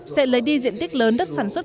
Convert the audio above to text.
sẽ lấy đi diện tích lớn đất sản xuất